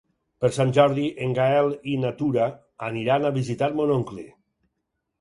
Per Sant Jordi en Gaël i na Tura aniran a visitar mon oncle.